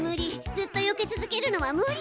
ずっとよけ続けるのは無理よ。